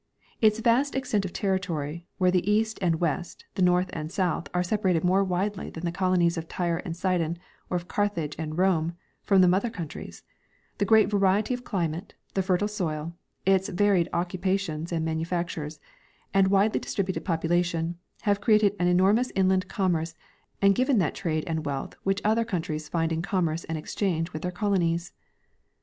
Its vast extent of territory, where the east and west, the north and south, are separated more widely than the colonies of Tyre and Sidon or of Carthage and Rome from the mother countries ; the great variety of climate, the fertile soil, its varied occupa tions and manufactures, and a widely distributed population, have created an enormous inland commerce and given that trade and wealth Avhich other countries find in commerce and exchange with their colonies.